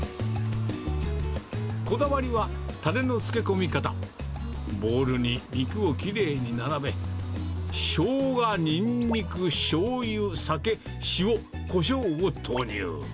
こだわりはたれの漬け込み方、ボウルに肉をきれいに並べ、しょうが、ニンニク、しょうゆ、酒、塩、こしょうを投入。